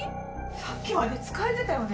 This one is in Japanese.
さっきまで使えてたよね